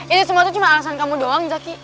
itu semua tuh cuma alasan kamu doang zaky